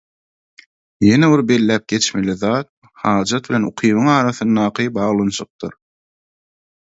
Ýene bir belläp geçilmeli zat hajat bilen ukybyň arasyndaky baglanşykdyr.